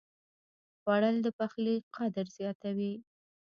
خوړل د پخلي قدر زیاتوي